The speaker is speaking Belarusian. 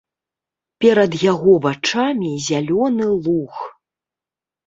Перад яго вачамі зялёны луг.